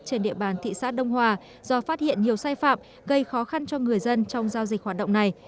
trên địa bàn thị xã đông hòa do phát hiện nhiều sai phạm gây khó khăn cho người dân trong giao dịch hoạt động này